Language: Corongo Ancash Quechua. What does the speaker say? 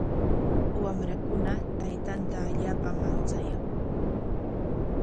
Wamrakuna taytanta allaapam manchayan.